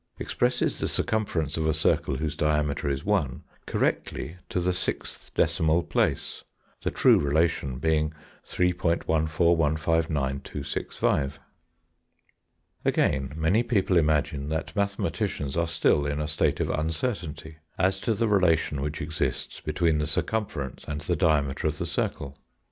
expresses the circumference of a circle whose diameter is 1, correctly to the sixth decimal place, the true relation being 3·14159265. Again, many people imagine that mathematicians are still in a state of uncertainty as to the relation which exists between the circumference and the diameter of the circle.